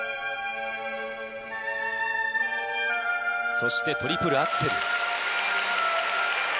そしてトリプルアクセル。